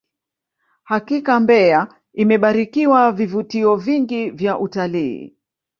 hakika mbeya imebarikiwa vivutio vingi vya utalii